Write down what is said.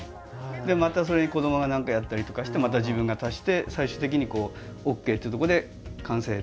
でまたそれに子どもが何かやったりとかしてまた自分が足して最終的にＯＫっていうとこで完成。